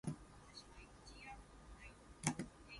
This would become Nieuwe Haven Naval Base.